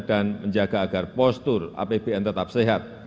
dan menjaga agar postur apbn tetap sehat